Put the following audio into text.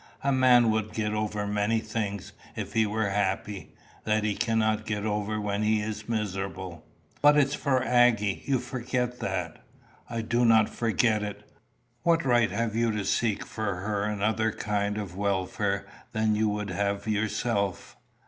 A man would get over many things if he were happy, that he cannot get over when he is miserable." "But it's for Aggy. You forget that." "I do not forget it. What right have you to seek for her another kind of welfare than you would have yourself?